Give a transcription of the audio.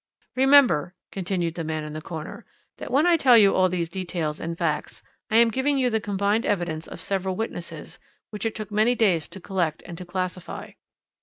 "Remember," continued the man in the corner, "that when I tell you all these details and facts, I am giving you the combined evidence of several witnesses, which it took many days to collect and to classify.